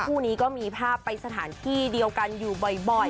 คู่นี้ก็มีภาพไปสถานที่เดียวกันอยู่บ่อย